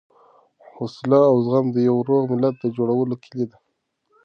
حوصله او زغم د یوه روغ ملت د جوړولو کیلي ده.